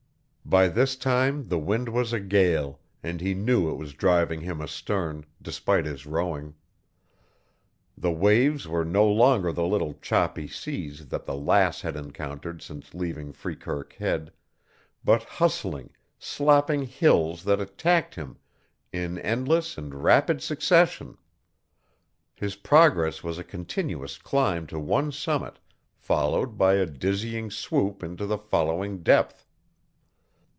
By this time the wind was a gale, and he knew it was driving him astern, despite his rowing. The waves were no longer the little choppy seas that the Lass had encountered since leaving Freekirk Head, but hustling, slopping hills that attacked him in endless and rapid succession. His progress was a continuous climb to one summit, followed by a dizzying swoop into the following depth.